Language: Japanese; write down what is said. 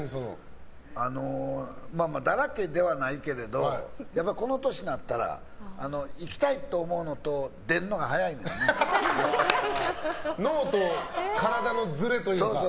あのだらけではないけれどやっぱりこの年になったら行きたいと思うのと脳と体のずれというか。